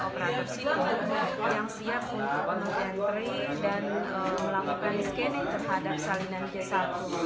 pembangunan kpu sumbawa